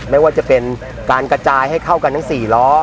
ไม่ว่าจะเป็นการกระจายให้เข้ากันทั้ง๔ล้อ